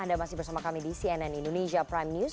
anda masih bersama kami di cnn indonesia prime news